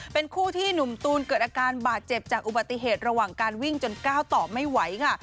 เป็นคู่ที่หนุ่มตูนเกิดอาการบาดเจ็บจากอุบัติเหตุระหว่างการวิ่งจนก้าวต่อไม่ไหวค่ะ